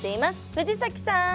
藤崎さん。